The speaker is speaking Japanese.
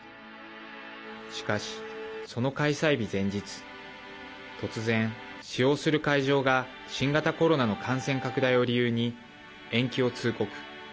しかし、その開催日前日突然、使用する会場が新型コロナの感染拡大を理由に延期を通告。